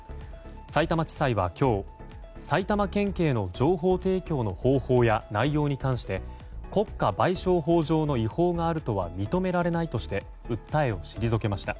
さいたま地裁は今日埼玉県警の情報提供の方法や内容に関して国家賠償法上の違法があるとは認められないとして訴えを退けました。